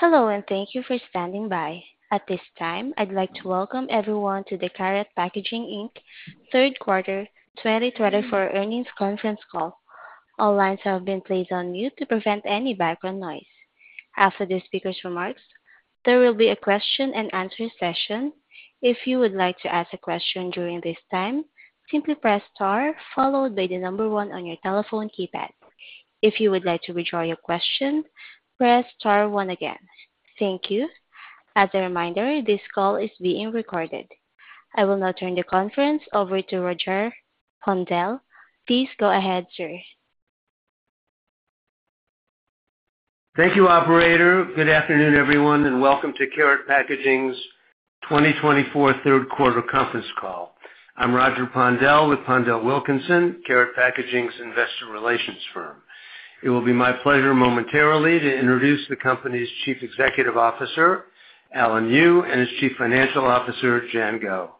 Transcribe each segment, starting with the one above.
Hello and thank you for standing by. At this time, I'd like to welcome everyone to the Karat Packaging Inc Q3 2024 earnings conference call. All lines have been placed on mute to prevent any background noise. After the speaker's remarks, there will be a question-and-answer session. If you would like to ask a question during this time, simply press star followed by the number one on your telephone keypad. If you would like to withdraw your question, press star one again. Thank you. As a reminder, this call is being recorded. I will now turn the conference over to Roger Pondel. Please go ahead, sir. Thank you, Operator. Good afternoon, everyone, and welcome to Karat Packaging's third quarter conference call. I'm Roger Pondel with PondelWilkinson, Karat Packaging's investor relations firm. It will be my pleasure momentarily to introduce the company's Chief Executive Officer, Alan Yu, and his Chief Financial Officer, Jian Guo.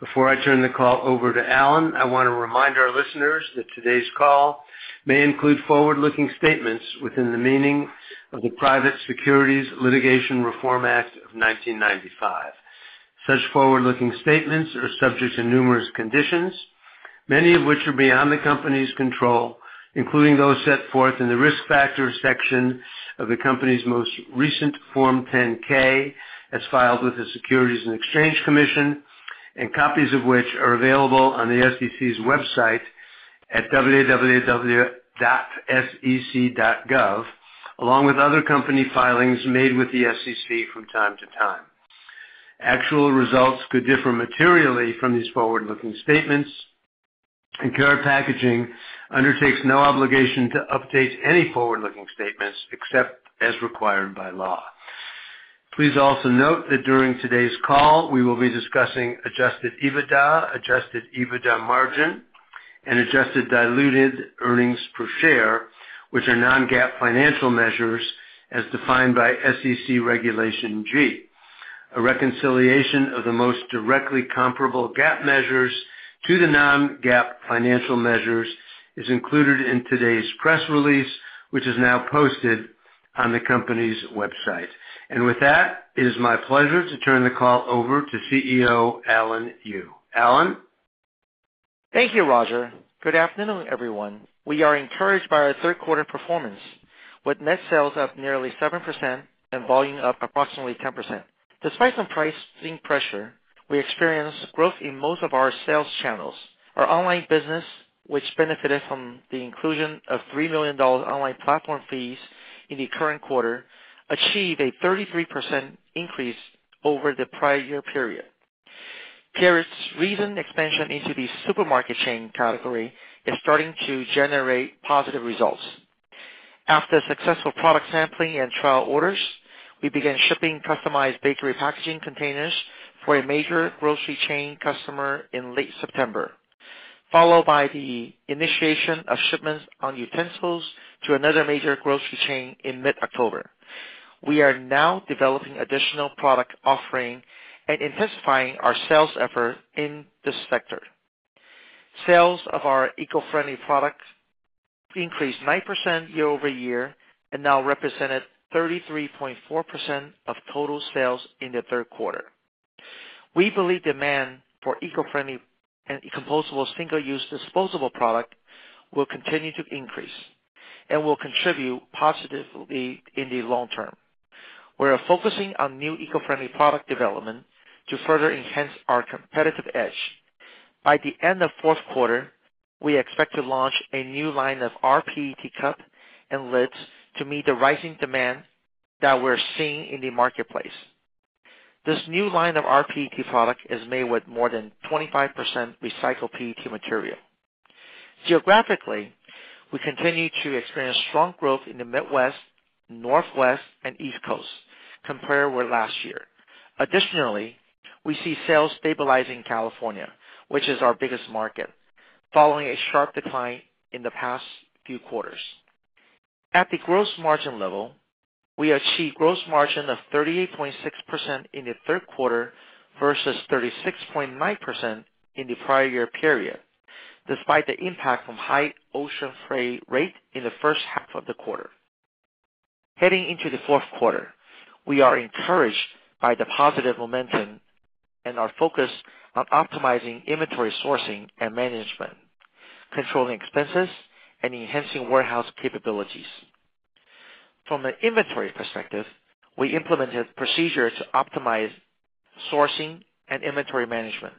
Before I turn the call over to Alan, I want to remind our listeners that today's call may include forward-looking statements within the meaning of the Private Securities Litigation Reform Act of 1995. Such forward-looking statements are subject to numerous conditions, many of which are beyond the company's control, including those set forth in the risk factor section of the company's most recent Form 10-K as filed with the Securities and Exchange Commission, and copies of which are available on the SEC's website at www.sec.gov, along with other company filings made with the SEC from time to time. Actual results could differ materially from these forward-looking statements, and Karat Packaging undertakes no obligation to update any forward-looking statements except as required by law. Please also note that during today's call, we will be discussing adjusted EBITDA, adjusted EBITDA margin, and adjusted diluted earnings per share, which are non-GAAP financial measures as defined by SEC Regulation G. A reconciliation of the most directly comparable GAAP measures to the non-GAAP financial measures is included in today's press release, which is now posted on the company's website. And with that, it is my pleasure to turn the call over to CEO Alan Yu. Alan. Thank you, Roger. Good afternoon, everyone. We are encouraged by our Q3 performance, with net sales up nearly 7% and volume up approximately 10%. Despite some pricing pressure, we experienced growth in most of our sales channels. Our online business, which benefited from the inclusion of $3 million online platform fees in the current quarter, achieved a 33% increase over the prior year period. Karat's recent expansion into the supermarket chain category is starting to generate positive results. After successful product sampling and trial orders, we began shipping customized bakery packaging containers for a major grocery chain customer in late September, followed by the initiation of shipments on utensils to another major grocery chain in mid-October. We are now developing additional product offering and intensifying our sales effort in this sector. Sales of our eco-friendly product increased 9% year-over-year and now represented 33.4% of total sales in the Q3. We believe demand for eco-friendly and compostable single-use disposable product will continue to increase and will contribute positively in the long term. We are focusing on new eco-friendly product development to further enhance our competitive edge. By the end of Q4, we expect to launch a new line of RPET cups and lids to meet the rising demand that we're seeing in the marketplace. This new line of RPET product is made with more than 25% recycled PET material. Geographically, we continue to experience strong growth in the Midwest, Northwest, and East Coast, compared with last year. Additionally, we see sales stabilizing in California, which is our biggest market, following a sharp decline in the past few quarters. At the gross margin level, we achieved gross margin of 38.6% in the Q3 versus 36.9% in the prior year period, despite the impact from high ocean freight rate in the first half of the quarter. Heading into Q4, we are encouraged by the positive momentum and our focus on optimizing inventory sourcing and management, controlling expenses, and enhancing warehouse capabilities. From an inventory perspective, we implemented procedures to optimize sourcing and inventory management.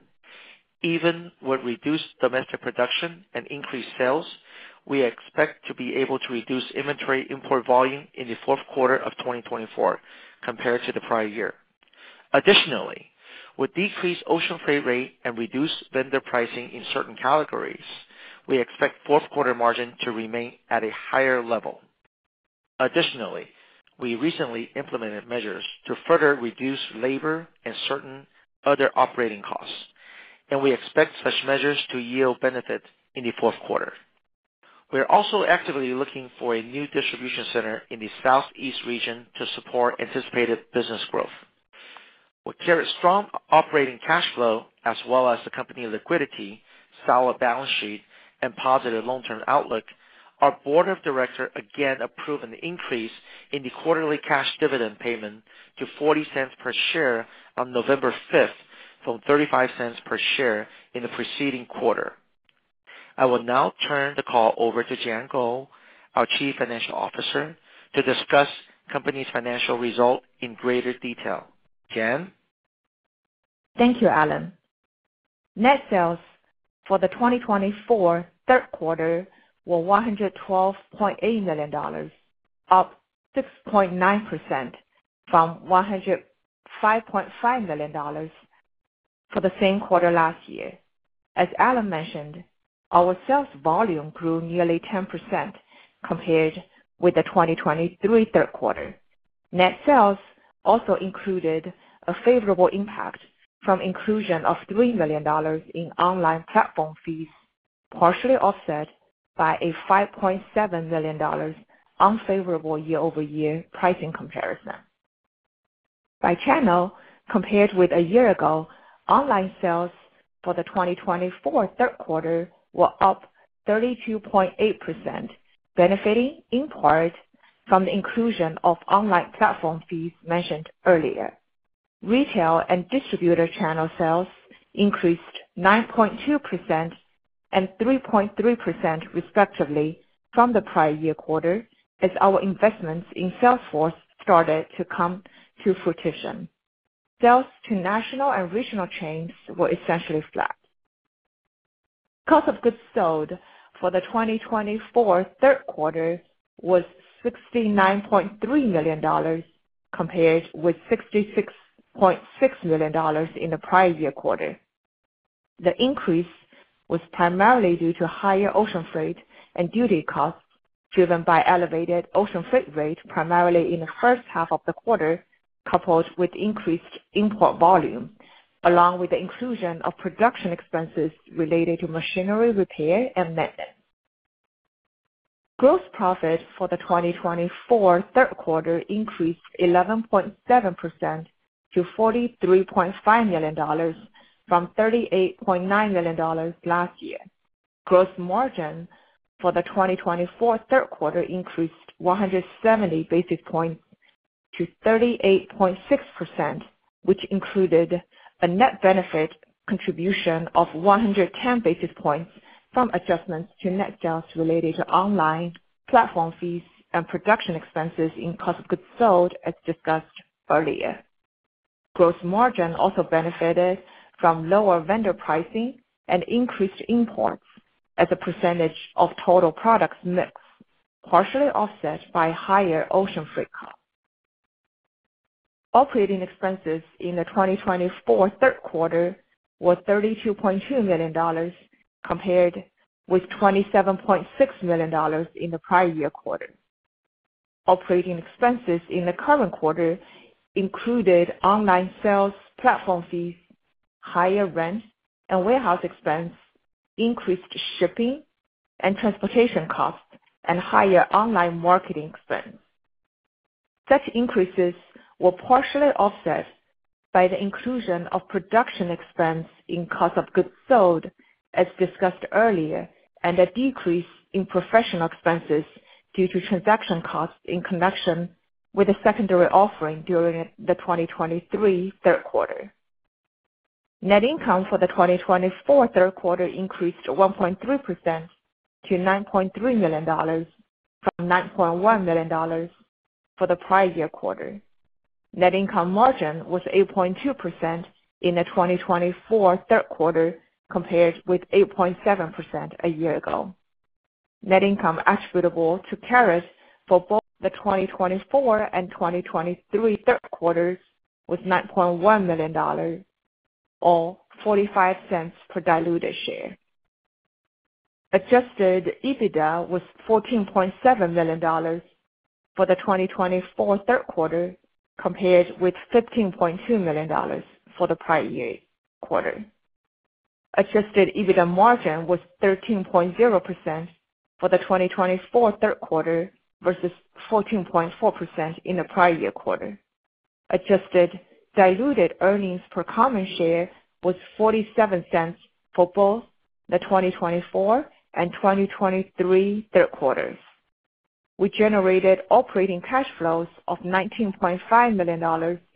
Even with reduced domestic production and increased sales, we expect to be able to reduce inventory import volume in the Q4 of 2024 compared to the prior year. Additionally, with decreased ocean freight rate and reduced vendor pricing in certain categories, we expect Q4 margin to remain at a higher level. Additionally, we recently implemented measures to further reduce labor and certain other operating costs, and we expect such measures to yield benefits in the Q4. We are also actively looking for a new distribution center in the Southeast region to support anticipated business growth. With Karat's strong operating cash flow as well as the company's liquidity, solid balance sheet, and positive long-term outlook, our Board of Directors again approved an increase in the quarterly cash dividend payment to $0.40 per share on November 5th from $0.35 per share in the preceding quarter. I will now turn the call over to Jian Guo, our Chief Financial Officer, to discuss the company's financial result in greater detail. Jian? Thank you, Alan. Net sales for the 2024 Q3 were $112.8 million, up 6.9% from $105.5 million for the same quarter last year. As Alan mentioned, our sales volume grew nearly 10% compared with the 2023 Q3. Net sales also included a favorable impact from the inclusion of $3 million in online platform fees, partially offset by a $5.7 million unfavorable year-over-year pricing comparison. By channel, compared with a year ago, online sales for the 2024 Q3 were up 32.8%, benefiting in part from the inclusion of online platform fees mentioned earlier. Retail and distributor channel sales increased 9.2% and 3.3% respectively from the prior year quarter as our investments in sales force started to come to fruition. Sales to national and regional chains were essentially flat. Cost of goods sold for the 2024 Q3 was $69.3 million compared with $66.6 million in the prior year quarter. The increase was primarily due to higher ocean freight and duty costs driven by elevated ocean freight rate, primarily in the first half of the quarter, coupled with increased import volume, along with the inclusion of production expenses related to machinery repair and maintenance. Gross profit for the Q4 increased 11.7% to $43.5 million from $38.9 million last year. Gross margin for the Q4 increased 170 basis points to 38.6%, which included a net benefit contribution of 110 basis points from adjustments to net sales related to online platform fees and production expenses in cost of goods sold, as discussed earlier. Gross margin also benefited from lower vendor pricing and increased imports as a percentage of total products mixed, partially offset by higher ocean freight costs. Operating expenses in the Q4 were $32.2 million compared with $27.6 million in the prior year quarter. Operating expenses in the current quarter included online sales platform fees, higher rent and warehouse expense, increased shipping and transportation costs, and higher online marketing expenses. Such increases were partially offset by the inclusion of production expense in cost of goods sold, as discussed earlier, and a decrease in professional expenses due to transaction costs in connection with the secondary offering during the 2023 Q3. Net income for the 2024 Q3 increased 1.3% to $9.3 million from $9.1 million for the prior year quarter. Net income margin was 8.2% in the Q4 compared with 8.7% a year ago. Net income attributable to Karat for the 2024 and 2023 Q3 was $9.1 million, or $0.45 per diluted share. Adjusted EBITDA was $14.7 million for the Q4 compared with $15.2 million for the prior year quarter. Adjusted EBITDA margin was 13.0% for the Q4 versus 14.4% in the prior year quarter. Adjusted diluted earnings per common share was $0.47 for both the Q4 and Q3. We generated operating cash flows of $19.5 million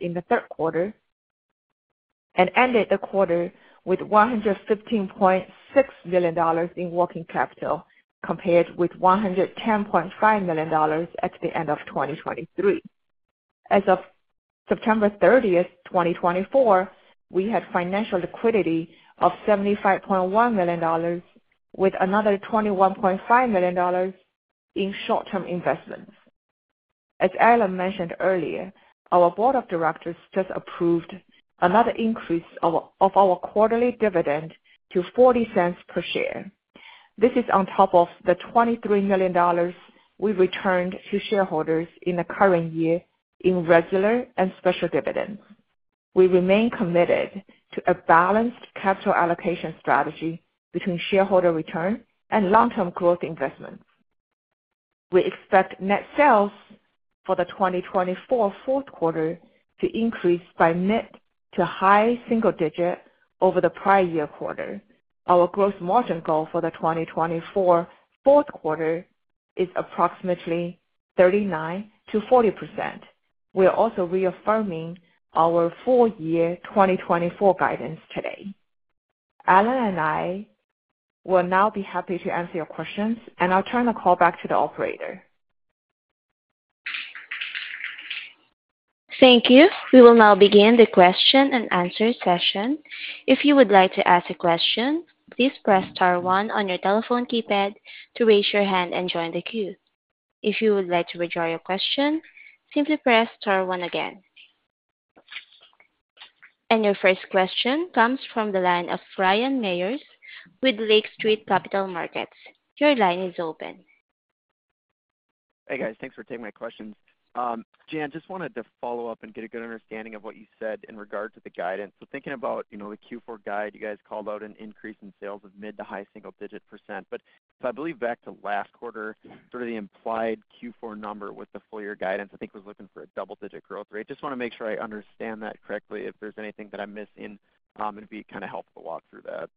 in the Q3 and ended the quarter with $115.6 million in working capital compared with $110.5 million at the end of 2023. As of September 30, 2024, we had financial liquidity of $75.1 million with another $21.5 million in short-term investments. As Alan mentioned earlier, our Board of Directors just approved another increase of our quarterly dividend to $0.40 per share. This is on top of the $23 million we returned to shareholders in the current year in regular and special dividends. We remain committed to a balanced capital allocation strategy between shareholder return and long-term growth investments. We expect net sales for the Q4 to increase by mid- to high single digit over the prior year quarter. Our gross margin goal for the Q4 is approximately 39%-40%. We are also reaffirming our full-year 2024 guidance today. Alan and I will now be happy to answer your questions, and I'll turn the call back to the operator. Thank you. We will now begin the question and answer session. If you would like to ask a question, please press star 1 on your telephone keypad to raise your hand and join the queue. If you would like to withdraw your question, simply press star 1 again. And your first question comes from the line of Ryan Meyers with Lake Street Capital Markets. Your line is open. Hey, guys. Thanks for taking my questions. Jian, I just wanted to follow up and get a good understanding of what you said in regard to the guidance. So thinking about the Q4 guide, you guys called out an increase in sales of mid- to high-single-digit %. But if I recall back to last quarter, sort of the implied Q4 number with the full-year guidance, I think was looking for a double-digit % growth rate. Just want to make sure I understand that correctly. If there's anything that I missed, it'd be kind of helpful to walk through that.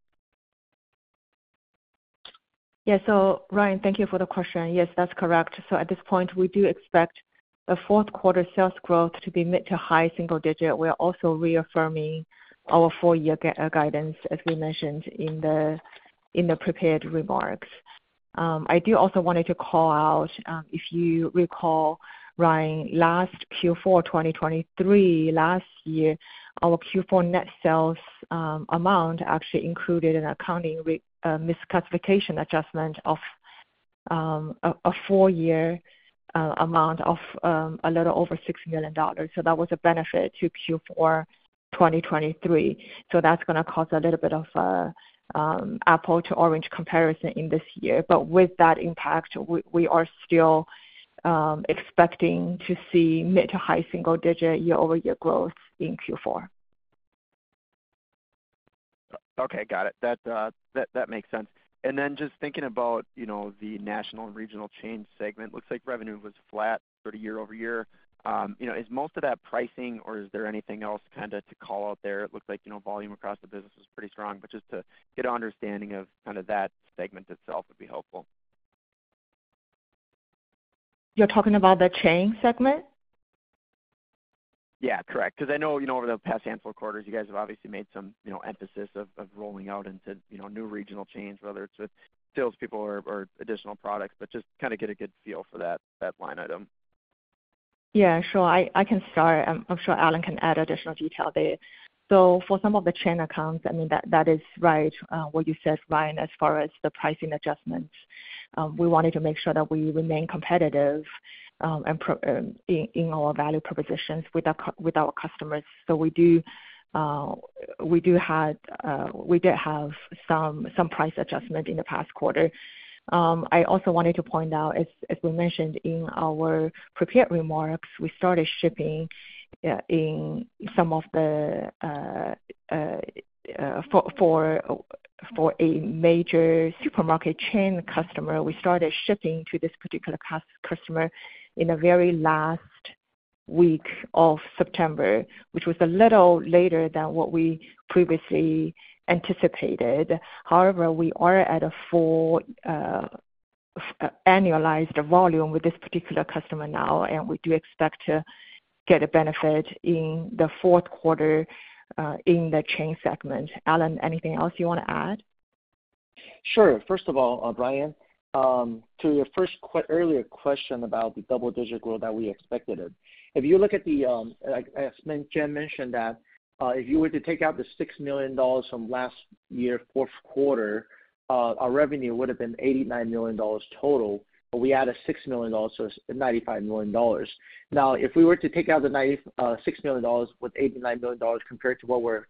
Yeah. So, Ryan, thank you for the question. Yes, that's correct. So at this point, we do expect the Q4 sales growth to be mid- to high-single-digit. We are also reaffirming our full-year guidance, as we mentioned in the prepared remarks. I do also wanted to call out, if you recall, Ryan, last Q4 2023, last year, our Q4 net sales amount actually included an accounting misclassification adjustment of a full-year amount of a little over $6 million. So that was a benefit to Q4 2023. So that's going to cause a little bit of an apple-to-orange comparison in this year. But with that impact, we are still expecting to see mid- to high-single-digit year-over-year growth in Q4. Okay. Got it. That makes sense. Then just thinking about the national and regional chain segment, it looks like revenue was flat sort of year-over-year. Is most of that pricing, or is there anything else kind of to call out there? It looks like volume across the business is pretty strong. But just to get an understanding of kind of that segment itself would be helpful. You're talking about the chain segment? Yeah, correct. Because I know over the past handful of quarters, you guys have obviously made some emphasis of rolling out into new regional chains, whether it's with salespeople or additional products. But just kind of get a good feel for that line item. Yeah, sure. I can start. I'm sure Alan can add additional detail there. So for some of the chain accounts, I mean, that is right, what you said, Ryan, as far as the pricing adjustments. We wanted to make sure that we remain competitive in our value propositions with our customers. So we do have some price adjustment in the past quarter. I also wanted to point out, as we mentioned in our prepared remarks, we started shipping some of the bakery packaging containers for a major supermarket chain customer. We started shipping to this particular customer in the very last week of September, which was a little later than what we previously anticipated. However, we are at a full annualized volume with this particular customer now, and we do expect to get a benefit in the Q4 in the chain segment. Alan, anything else you want to add? Sure. First of all, Ryan, to your first earlier question about the double-digit growth that we expected, if you look at what I mentioned that if you were to take out the $6 million from last year Q4, our revenue would have been $89 million total, but we added $6 million, so it's $95 million. Now, if we were to take out the $6 million with $89 million compared to what we're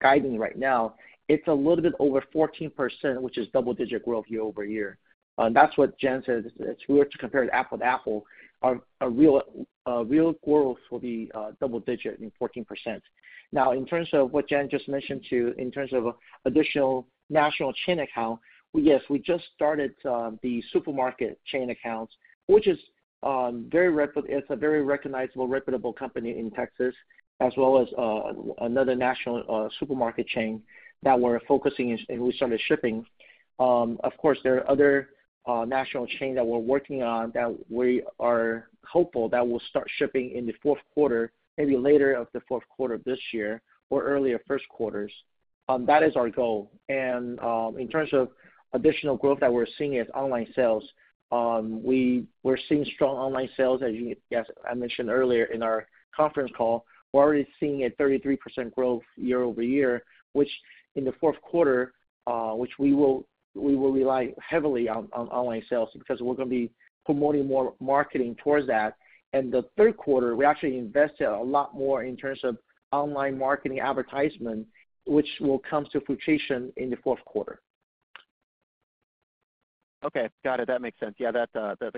guiding right now, it's a little bit over 14%, which is double-digit growth year-over-year. And that's what Jian said. If we were to compare it apples to apples, our real growth will be double-digit, 14%. Now, in terms of what Jian just mentioned too, in terms of additional national chain account, yes, we just started the supermarket chain accounts, which is very, it's a very recognizable, reputable company in Texas, as well as another national supermarket chain that we're focusing in, and we started shipping. Of course, there are other national chains that we're working on that we are hopeful that we'll start shipping in the Q4, maybe later of the Q4 this year or earlier Q1s. That is our goal. And in terms of additional growth that we're seeing is online sales. We're seeing strong online sales, as I mentioned earlier in our conference call. We're already seeing a 33% growth year-over-year, which in the Q4 we will rely heavily on online sales because we're going to be promoting more marketing towards that. And the Q3, we actually invested a lot more in terms of online marketing advertisement, which will come to fruition in the Q4. Okay. Got it. That makes sense. Yeah, the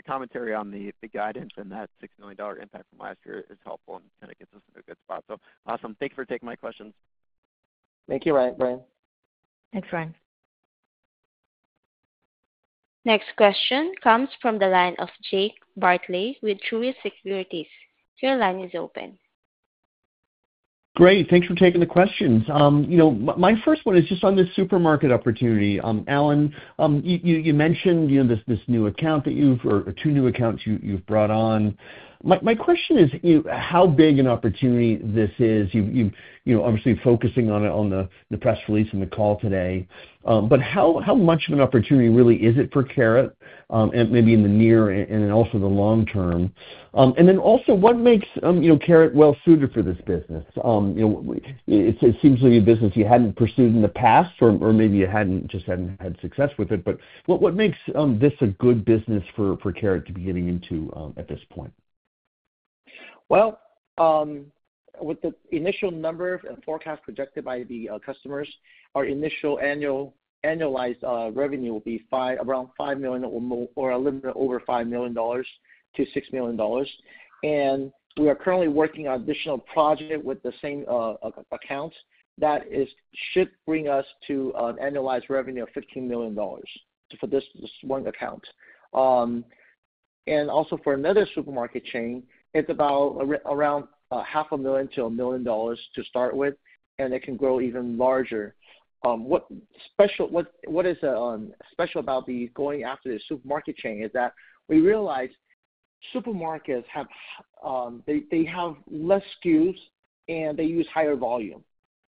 commentary on the guidance and that $6 million impact from last year is helpful and kind of gets us in a good spot. So awesome. Thank you for taking my questions. Thank you, Ryan. Thanks, Ryan. Next question comes from the line of Jake Bartlett with Truist Securities. Your line is open. Great. Thanks for taking the questions. My first one is just on this supermarket opportunity. Alan, you mentioned this new account that you've won or two new accounts you've brought on. My question is how big an opportunity this is. You're obviously focusing on the press release and the call today. But how much of an opportunity really is it for Karat, maybe in the near and also the long term? And then also, what makes Karat well-suited for this business? It seems to be a business you hadn't pursued in the past, or maybe you just hadn't had success with it. But what makes this a good business for Karat to be getting into at this point? With the initial number and forecast projected by the customers, our initial annualized revenue will be around $5 million or a little bit over $5 million-$6 million. We are currently working on an additional project with the same account that should bring us to an annualized revenue of $15 million for this one account. Also for another supermarket chain, it's about around $500,000-$1 million to start with, and it can grow even larger. What is special about going after the supermarket chain is that we realized supermarkets, they have less SKUs, and they use higher volume.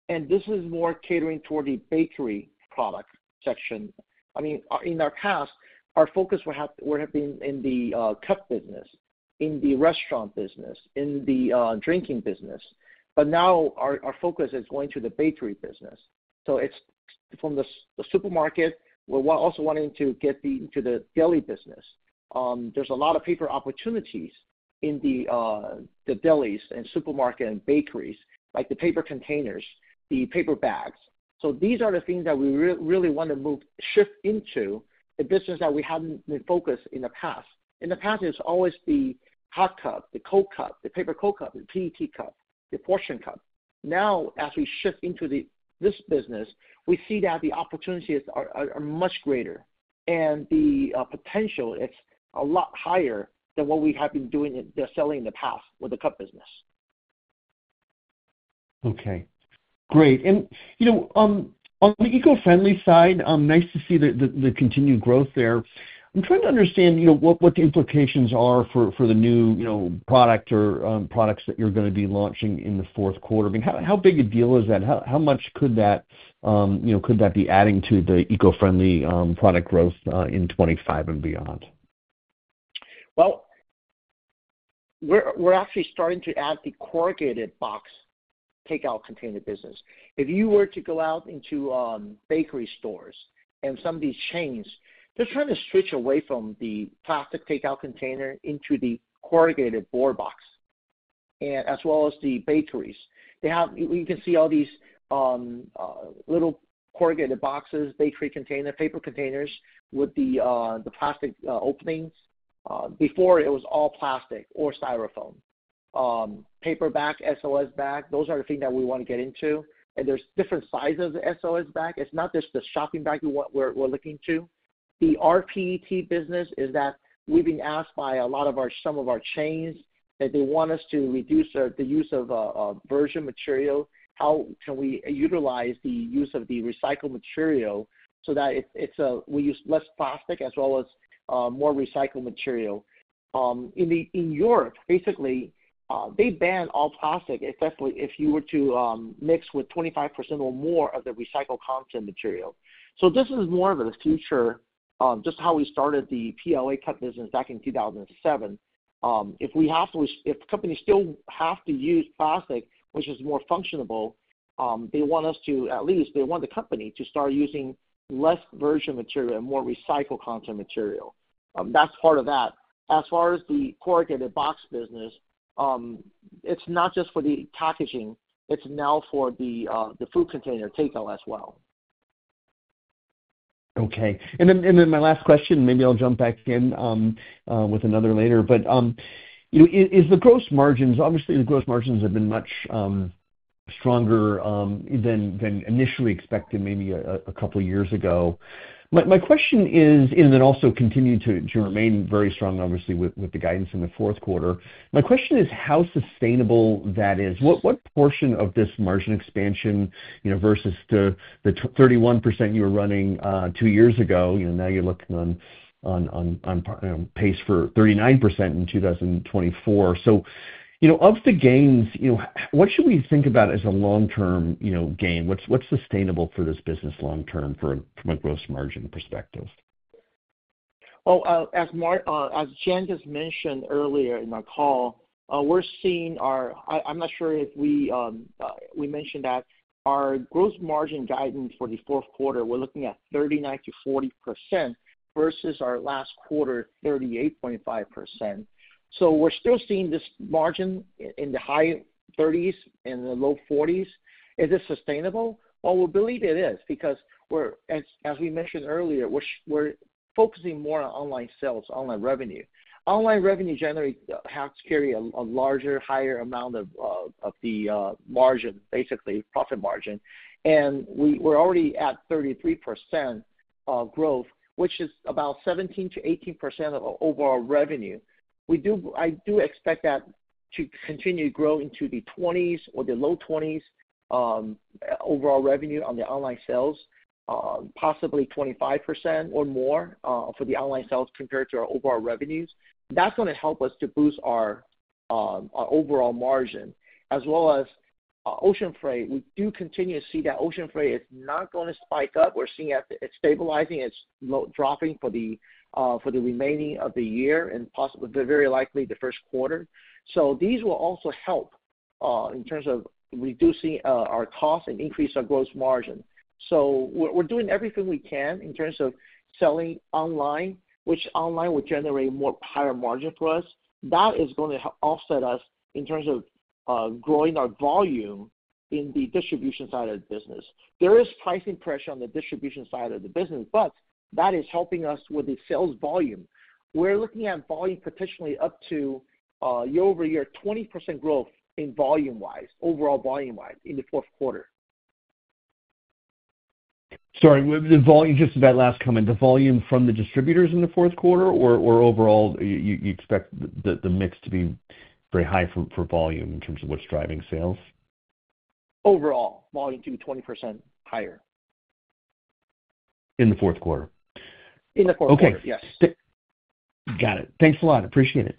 This is more catering toward the bakery product section. I mean, in our past, our focus would have been in the cup business, in the restaurant business, in the drinking business. Now our focus is going to the bakery business. So it's from the supermarket. We're also wanting to get into the deli business. There's a lot of paper opportunities in the delis and supermarket and bakeries, like the paper containers, the paper bags. So these are the things that we really want to shift into a business that we hadn't been focused on in the past. In the past, it was always the hot cup, the cold cup, the paper cold cup, the PET cup, the portion cup. Now, as we shift into this business, we see that the opportunities are much greater. And the potential is a lot higher than what we have been doing and selling in the past with the cup business. Okay. Great. And on the eco-friendly side, nice to see the continued growth there. I'm trying to understand what the implications are for the new product or products that you're going to be launching in the Q4. I mean, how big a deal is that? How much could that be adding to the eco-friendly product growth in 2025 and beyond? We're actually starting to add the corrugated box takeout container business. If you were to go out into bakery stores and some of these chains, they're trying to switch away from the plastic takeout container into the corrugated board box, as well as the bakeries. You can see all these little corrugated boxes, bakery containers, paper containers with the plastic openings. Before, it was all plastic or Styrofoam. Paper bag, SOS bag, those are the things that we want to get into. And there's different sizes of the SOS bag. It's not just the shopping bag we're looking to. The RPET business is that we've been asked by some of our chains that they want us to reduce the use of virgin material. How can we utilize the use of the recycled material so that we use less plastic as well as more recycled material? In Europe, basically, they ban all plastic, especially if you were to mix with 25% or more of the recycled content material. So this is more of the future, just how we started the PLA cup business back in 2007. If companies still have to use plastic, which is more functional, they want us to at least they want the company to start using less virgin material and more recycled content material. That's part of that. As far as the corrugated box business, it's not just for the packaging. It's now for the food container takeout as well. Okay. My last question, maybe I'll jump back in with another later. But are the gross margins obviously, the gross margins have been much stronger than initially expected, maybe a couple of years ago? They also continue to remain very strong, obviously, with the guidance in the Q4. My question is how sustainable that is. What portion of this margin expansion versus the 31% you were running two years ago, now you're looking on pace for 39% in 2024? So of the gains, what should we think about as a long-term gain? What is sustainable for this business long-term from a gross margin perspective? As Jian just mentioned earlier in our call, we're seeing our. I'm not sure if we mentioned that our gross margin guidance for the Q4, we're looking at 39%-40% versus our last quarter, 38.5%. We're still seeing this margin in the high 30s and the low 40s. Is it sustainable? We believe it is because, as we mentioned earlier, we're focusing more on online sales, online revenue. Online revenue generally has to carry a larger, higher amount of the margin, basically profit margin. We're already at 33% growth, which is about 17%-18% of our overall revenue. I do expect that to continue to grow into the 20s or the low 20s overall revenue on the online sales, possibly 25% or more for the online sales compared to our overall revenues. That's going to help us to boost our overall margin. As well as Ocean Freight, we do continue to see that Ocean Freight is not going to spike up. We're seeing it's stabilizing. It's dropping for the remaining of the year and very likely the first quarter. So these will also help in terms of reducing our costs and increase our gross margin. So we're doing everything we can in terms of selling online, which online will generate a more higher margin for us. That is going to offset us in terms of growing our volume in the distribution side of the business. There is pricing pressure on the distribution side of the business, but that is helping us with the sales volume. We're looking at volume potentially up to year-over-year 20% growth in volume-wise, overall volume-wise in the Q4. Sorry, just that last comment. The volume from the distributors in the Q4, or overall, you expect the mix to be very high for volume in terms of what's driving sales? Overall, volume to be 20% higher. In the Q4? In the Q4, yes. Got it. Thanks a lot. Appreciate it.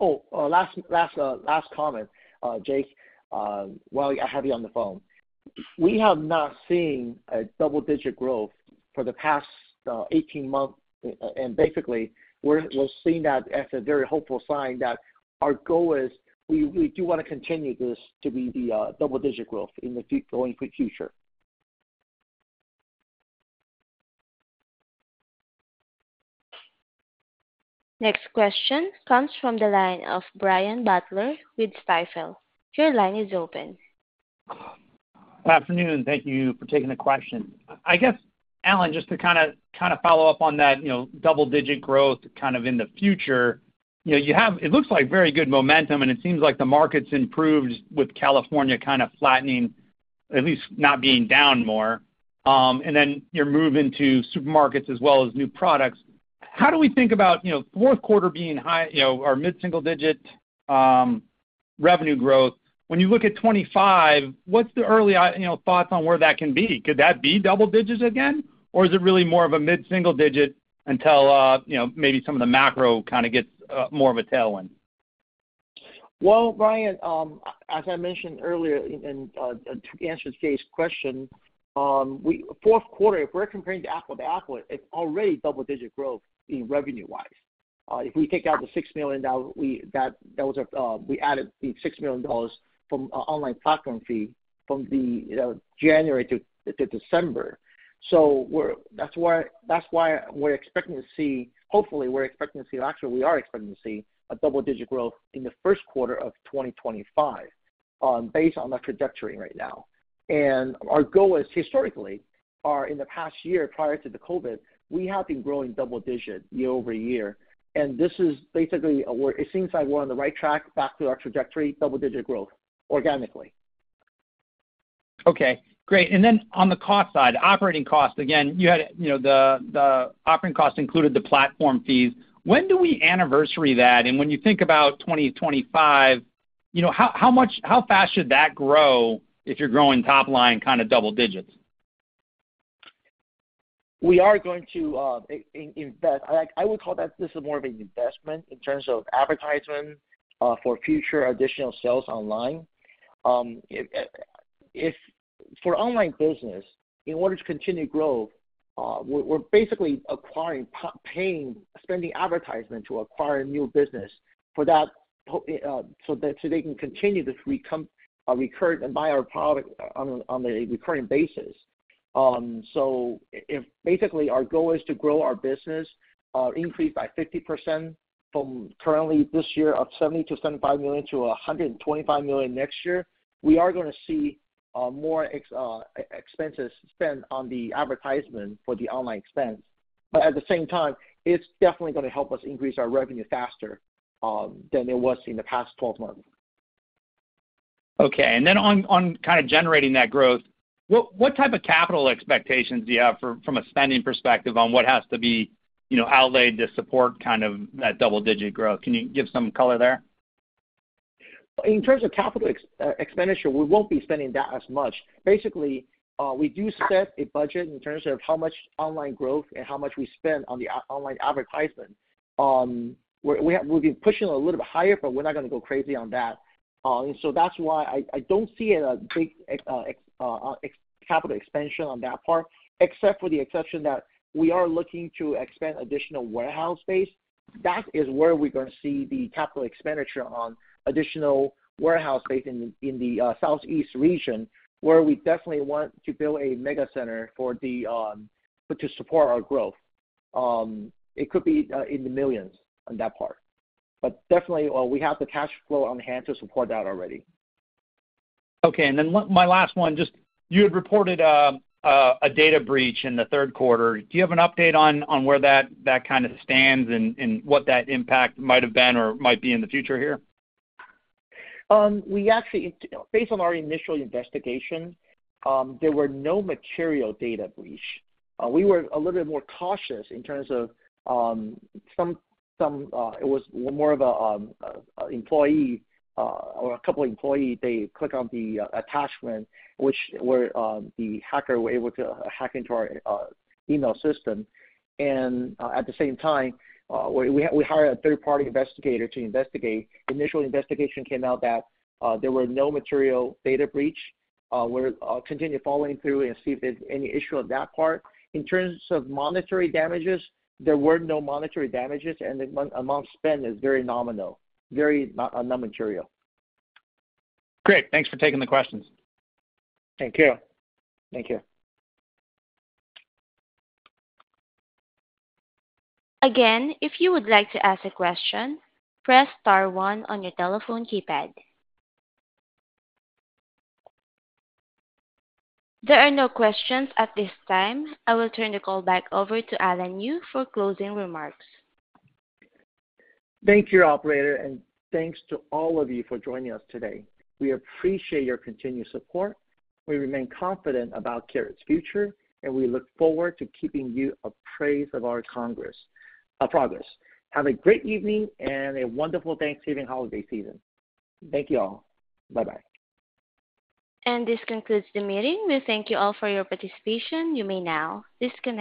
Oh, last comment, Jake. While I have you on the phone, we have not seen a double-digit growth for the past 18 months, and basically, we're seeing that as a very hopeful sign that our goal is we do want to continue this to be the double-digit growth going forward. Next question comes from the line of Brian Butler with Stifel. Your line is open. Good afternoon. Thank you for taking the question. I guess, Alan, just to kind of follow up on that double-digit growth kind of in the future, it looks like very good momentum, and it seems like the market's improved with California kind of flattening, at least not being down more, and then you're moving to supermarkets as well as new products. How do we think about Q4 being high, our mid-single-digit revenue growth? When you look at 2025, what's the early thoughts on where that can be? Could that be double digits again? Or is it really more of a mid-single digit until maybe some of the macro kind of gets more of a tailwind? Brian, as I mentioned earlier and to answer Jake's question, Q4, if we're comparing apples to apples, it's already double-digit growth revenue-wise. If we take out the $6 million, that was, we added the $6 million from online platform fee from January to December. So that's why we're expecting to see hopefully, actually, we are expecting to see a double-digit growth in the first quarter of 2025 based on our trajectory right now. Our goal is historically, in the past year prior to the COVID, we have been growing double-digit year-over-year. This is basically where it seems like we're on the right track back to our trajectory, double-digit growth organically. Okay. Great. And then on the cost side, operating costs, again, you had the operating costs included the platform fees. When do we anniversary that? And when you think about 2025, how fast should that grow if you're growing top line kind of double digits? We are going to invest. I would call that this is more of an investment in terms of advertisement for future additional sales online. For online business, in order to continue growth, we're basically acquiring, paying, spending advertisement to acquire a new business so they can continue to recur and buy our product on a recurring basis. So if basically our goal is to grow our business, increase by 50% from currently this year of $70 million-$75 million-$125 million next year, we are going to see more expenses spent on the advertisement for the online expense. But at the same time, it's definitely going to help us increase our revenue faster than it was in the past 12 months. Okay. And then on kind of generating that growth, what type of capital expectations do you have from a spending perspective on what has to be outlaid to support kind of that double-digit growth? Can you give some color there? In terms of capital expenditure, we won't be spending that as much. Basically, we do set a budget in terms of how much online growth and how much we spend on the online advertisement. We've been pushing a little bit higher, but we're not going to go crazy on that, and so that's why I don't see a big capital expansion on that part, except for the exception that we are looking to expand additional warehouse space. That is where we're going to see the capital expenditure on additional warehouse space in the Southeast region, where we definitely want to build a mega center to support our growth. It could be in the millions on that part, but definitely we have the cash flow on hand to support that already. Okay. And then my last one, just you had reported a data breach in the Q3. Do you have an update on where that kind of stands and what that impact might have been or might be in the future here? Based on our initial investigation, there were no material data breach. We were a little bit more cautious in terms of some; it was more of an employee or a couple of employees. They clicked on the attachment, which where the hacker were able to hack into our email system. At the same time, we hired a third-party investigator to investigate. Initial investigation came out that there were no material data breach. We're continuing to follow through and see if there's any issue on that part. In terms of monetary damages, there were no monetary damages. The amount spent is very nominal, very not material. Great. Thanks for taking the questions. Thank you. Thank you. Again, if you would like to ask a question, press star one on your telephone keypad. There are no questions at this time. I will turn the call back over to Alan Yu for closing remarks. Thank you, operator, and thanks to all of you for joining us today. We appreciate your continued support. We remain confident about Karat's future, and we look forward to keeping you appraised of our progress. Have a great evening and a wonderful Thanksgiving holiday season. Thank you all. Bye-bye. This concludes the meeting. We thank you all for your participation. You may now disconnect.